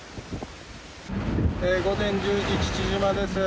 午前１０時、父島です。